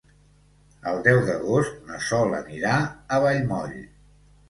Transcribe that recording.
El deu d'agost na Sol anirà a Vallmoll.